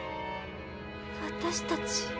私たちは？